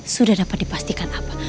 sudah dapat dipastikan abah